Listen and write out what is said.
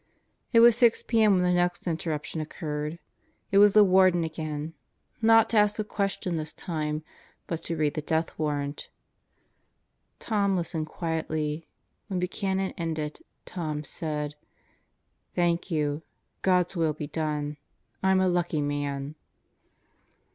It was 6 p.m. when the next interruption occurred. It was the Warden again. Not to ask a question this time, but to read the Death Warrant. Tom listened quietly. When Buchanan ended, Tom said: "Thank you. God's will be done. I'm a lucky man."